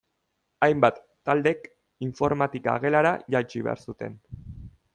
Hainbat taldek informatika gelara jaitsi behar zuten.